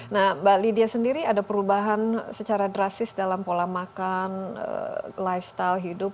nah mbak lydia sendiri ada perubahan secara drastis dalam pola makan lifestyle hidup